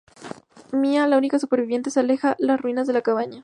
Mia, la única superviviente, se aleja las ruinas de la cabaña.